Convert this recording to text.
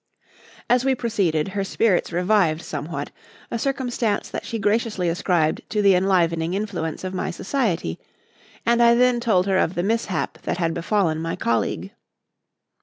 As we proceeded, her spirits revived somewhat, a circumstance that she graciously ascribed to the enlivening influence of my society; and I then told her of the mishap that had befallen my colleague.